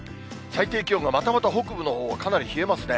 最低気温がまたまた北部のほう、かなり冷えますね。